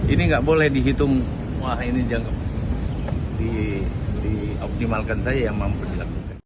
ini nggak boleh dihitung wah ini jangka dioptimalkan saja yang mampu dilakukan